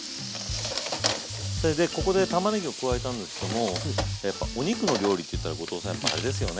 それでここでたまねぎを加えたんですけどもやっぱお肉の料理っていったら後藤さんやっぱあれですよね？